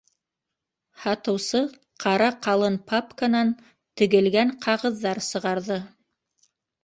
- Һатыусы ҡара ҡалын папканан тегелгән ҡағыҙҙар сығарҙы.